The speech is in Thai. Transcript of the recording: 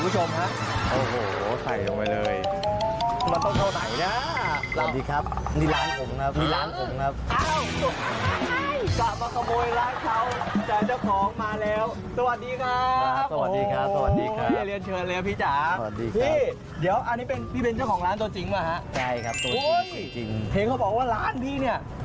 โอ้โหเทคเขาบอกว่าร้านนี้เนี่ยโอโหโคนมันจาก๑๐โมงบางที